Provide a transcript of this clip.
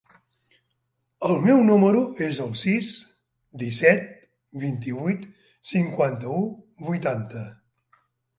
El meu número es el sis, disset, vint-i-vuit, cinquanta-u, vuitanta.